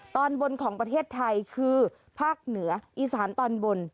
ตอนบนของประเทศไทยคือภาคเหนืออีสานตอนบน